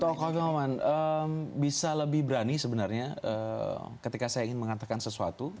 untuk copy of my mind bisa lebih berani sebenarnya ketika saya ingin mengatakan sesuatu